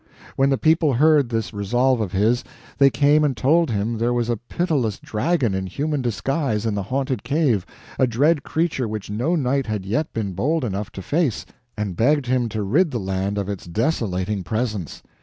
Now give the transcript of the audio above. When the people heard this resolve of his, they came and told him there was a pitiless dragon in human disguise in the Haunted Cave, a dread creature which no knight had yet been bold enough to face, and begged him to rid the land of its desolating presence.